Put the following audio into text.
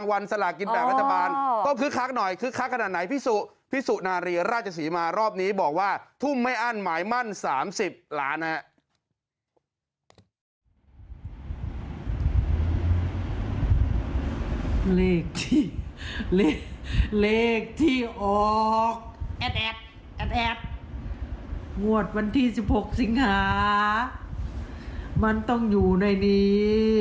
แอ๊ดแอ๊ดแอ๊ดแอ๊ดงวดวันที่สิบหกสิ้งหามันต้องอยู่ในนี้